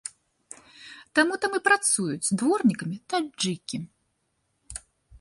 Таму там і працуюць дворнікамі таджыкі.